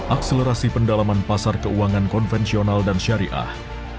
akselerasi pendalaman pasar keuangan konvensional dan syariah